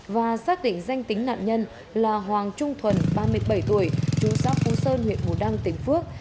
và xác định danh tính nạn nhân là hoàng trung thuần ba mươi bảy tuổi chú xã phú sơn huyện bù đăng tỉnh phước